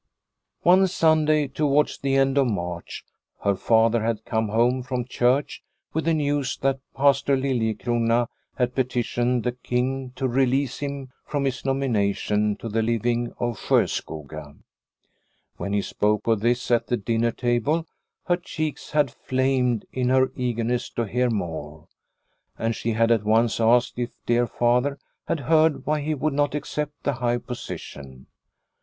One Sunday towards the end of March her father had come home from church with the news that Pastor Liliecrona had petitioned the King to release him from his nomination to the living of Sjoskoga. When he spoke of this at the dinner table her cheeks had flamed in her eagerness to hear more, and she had at once asked if dear father had heard why he would not accept the high position.